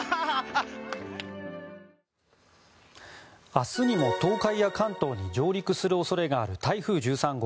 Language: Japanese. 明日にも東海や関東に上陸する恐れがある台風１３号。